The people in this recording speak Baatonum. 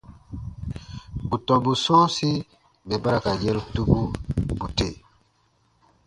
Bù tɔmbu sɔ̃ɔsi mɛ̀ ba ra ka yɛ̃ru tubu, bù tè.